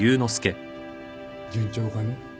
順調かね？